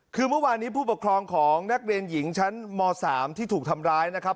คือเมื่อวานนี้ผู้ปกครองของนักเรียนหญิงชั้นม๓ที่ถูกทำร้ายนะครับ